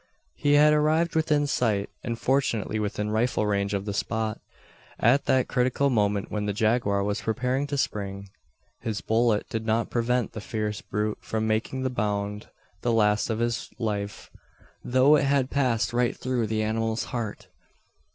He had arrived within sight, and fortunately within rifle range of the spot, at that critical moment when the jaguar was preparing to spring. His bullet did not prevent the fierce brute from making the bound the last of its life though it had passed right through the animal's heart.